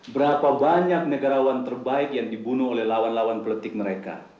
berapa banyak negarawan terbaik yang dibunuh oleh lawan lawan politik mereka